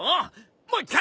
もう一回！